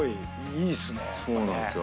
そうなんですよ。